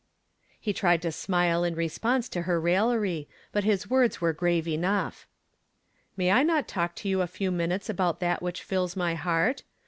" He tried to smile in response to her raillery, but his words were grave enough. " May I not talk to you a few minutes about that which fills my heart?